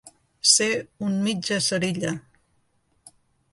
Ser un mitjacerilla.